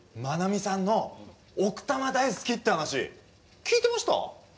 まなみさんの奥多摩大好きって話聞いてました？